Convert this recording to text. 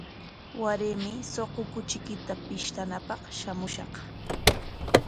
Waraymi suqu kuchiykita pishtanapaq shamushaq.